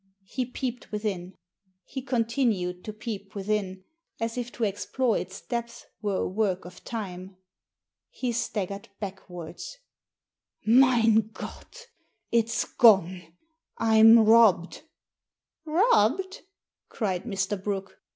He peeped within. He continued to peep within, as if to explore its depths were a work of time. He staggered back wards. " Mein Gott ! It's gone ! I'm robbed I "" Robbed I " cried Mr. Brooke.